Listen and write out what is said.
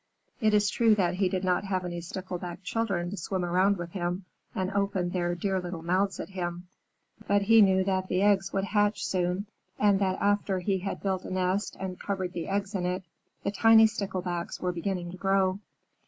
It is true that he did not have any Stickleback children to swim around him and open their dear little mouths at him, but he knew that the eggs would hatch soon, and that after he had built a nest and covered the eggs in it, the tiny Sticklebacks were beginning to grow.